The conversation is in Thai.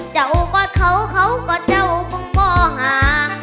เจ้าก็เขาเขาก็เจ้าคงบ่อหา